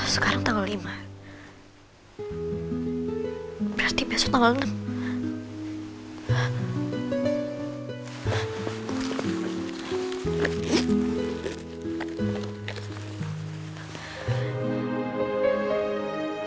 sekarang tanggal lima berarti besok tanggal enam